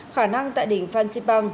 khả năng tại đỉnh phan xipang